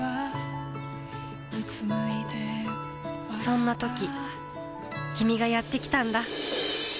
そんなときキミがやってきたんだ